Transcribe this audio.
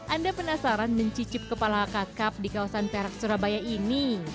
anda penasaran mencicip kepala kakap di kawasan perak surabaya ini